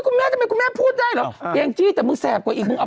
ผมขอโทษแล้วกันนะ